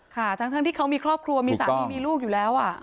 ค่ะทั้งที่เขามีครอบครัวมีสามีมีลูกอยู่แล้ว